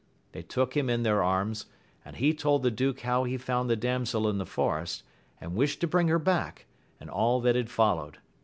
They took him in their arms, and he told the duke how he foupd the damsel in the forest, and wished to bring her back, and all that had followed.